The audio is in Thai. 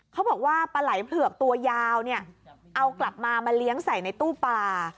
เขาบอกว่าปลาไหล่เผือกตัวยาวเนี่ยเอากลับมามาเลี้ยงใส่ในตู้ปลา